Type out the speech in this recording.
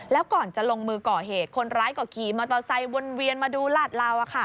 แล้วก่อนจะลงมือก่อเหตุคนร้ายก็ขี่มอเตอร์ไซค์วนเวียนมาดูลาดเหลา